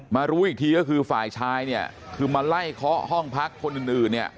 รู้อีกทีก็คือฝ่ายชายเนี่ยคือมาไล่เคาะห้องพักคนอื่นเนี่ย